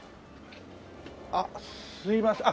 あっすみません。